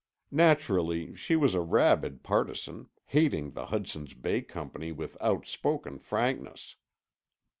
Naturally, she was a rabid partisan, hating the Hudson's Bay Company with outspoken frankness.